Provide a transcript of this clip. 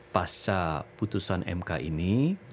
pasca putusan mk ini